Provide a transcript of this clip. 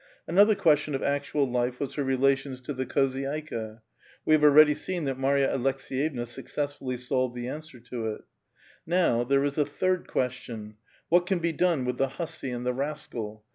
^ Another question of actual life was her relation to the ^^^ozydXTca; we have already seen that Marya Aleks6yevna ^^pcessfully solved the answer to it. Now, there is a third question, *' What can be done with ^be hussy and the rascal?"